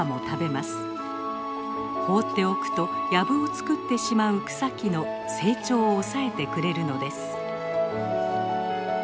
放っておくと藪を作ってしまう草木の成長を抑えてくれるのです。